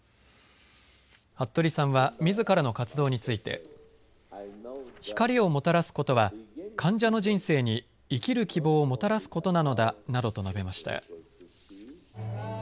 服部さんはみずからの活動について光をもたらすことは患者の人生に生きる希望をもたらすことなのだなどと述べました。